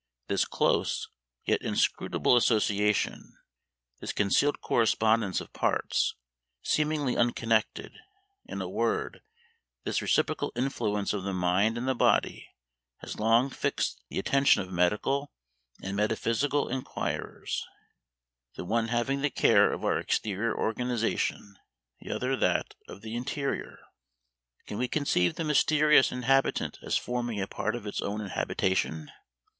This close, yet inscrutable association, this concealed correspondence of parts seemingly unconnected, in a word, this reciprocal influence of the mind and the body, has long fixed the attention of medical and metaphysical inquirers; the one having the care of our exterior organization, the other that of the interior. Can we conceive the mysterious inhabitant as forming a part of its own habitation?